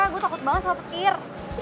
gue takut banget sama petir